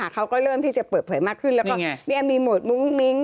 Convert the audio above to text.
เขาก็เริ่มที่จะเปิดเผยมากขึ้นแล้วก็มีโหมดมุ้งมิ้ง